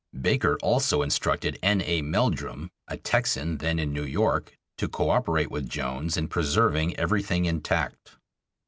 Baker also instructed N. A. Meldrum, a Texan then in New York, to co operate with Jones in preserving everything intact.